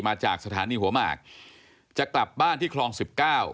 มาจากสถานีหัวหมากจะกลับบ้านที่คลองสิบเก้า